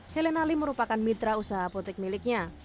helena lim merupakan mitra usaha apotik miliknya